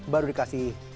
baru dikasih keju mozzarella